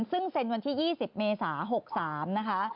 ซึ่งเซ็นวันที่๒๐เมษา๖๓นะคะ